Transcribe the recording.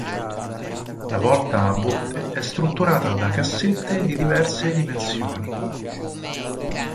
La volta a botte è strutturata da cassette di diverse dimensioni.